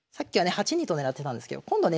８二と金狙ってたんですけど今度ね